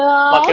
oh gak ya